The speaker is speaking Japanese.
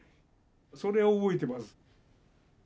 それを覚えてます。